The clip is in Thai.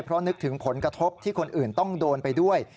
เพราะนึกถึงผลกระทบที่คนอื่นต้องโดนไปด้วย